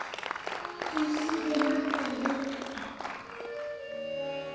「噴水で待ってる」っと。